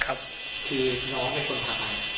คือน้องเป็นคนถ่าย